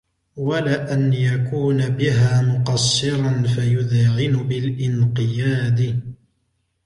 وَلَأَنْ يَكُونَ بِهَا مُقَصِّرًا فَيُذْعِنُ بِالِانْقِيَادِ